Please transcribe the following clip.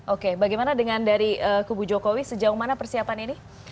oke bagaimana dengan dari kubu jokowi sejauh mana persiapan ini